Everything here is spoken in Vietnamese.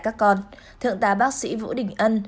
các con thượng tá bác sĩ vũ đình ân